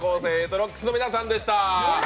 ＲＯＣＫＳの皆さんでした！